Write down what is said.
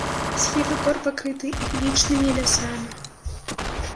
Схілы гор пакрыты іглічнымі лясамі.